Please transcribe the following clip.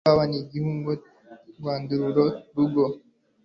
ikawa nigihingwa ngandura rugo